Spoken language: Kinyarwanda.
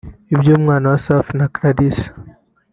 Iby’umwana wa Safi na Clarisse